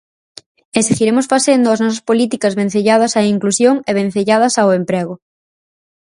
E seguiremos facendo as nosas políticas vencelladas á inclusión e vencelladas ao emprego.